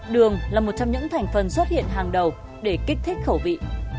đường là một trong những thành phần xuất hiện hàng đầu để kích thích khẩu vị